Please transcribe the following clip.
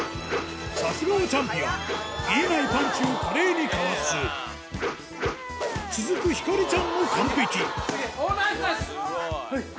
さすがはチャンピオン見えないパンチを華麗にかわす続くひかりちゃんも完璧おぉナイスナイス！